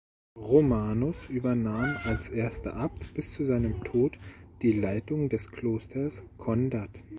Romanus übernahm als erster Abt bis zu seinem Tod die Leitung des Klosters Condat.